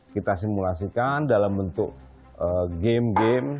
kita simulasikan dalam bentuk game game